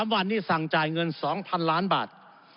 ๓วันนี้สั่งจ่ายเงิน๒๐๐๐ล้านบาท